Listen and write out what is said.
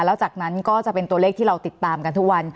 แล้วจากนั้นก็จะเป็นตัวเลขที่เราติดตามกันทุกวัน